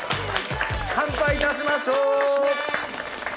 乾杯いたしましょう。